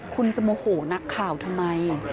คุณจะโมโหนักข่าวทำไม